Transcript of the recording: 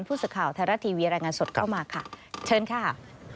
ผู้สื่อข่าวไทยรัฐทีวีรายงานสดเข้ามาค่ะเชิญค่ะ